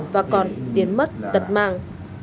và còn tiến mất tật mang